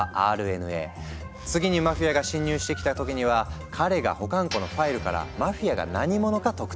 次にマフィアが侵入してきた時には彼が保管庫のファイルからマフィアが何者か特定。